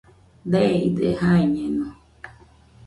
Deide, jaiñeno.